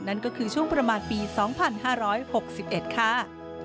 นั่นก็คือช่วงประมาณปี๒๕๖๑ค่ะ